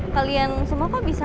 kalian semua kok bisa